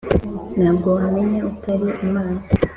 Ntabyo wamenya utar’Imana